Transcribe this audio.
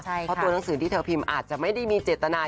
เพราะตัวหนังสือที่เธอพิมพ์อาจจะไม่ได้มีเจตนา